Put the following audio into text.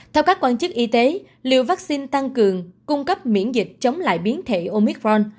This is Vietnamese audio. theo các quan chức y tế liều vaccine tăng cường cung cấp miễn dịch chống lại biến thể omicron